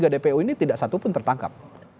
tiga dpo ini tidak satu pun tertangkap